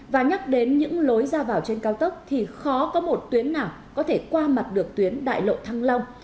và nhắc đến những lối ra vào trên cao tốc thì khó có một tuyến nào có thể qua mặt được tuyến đại lộ thăng long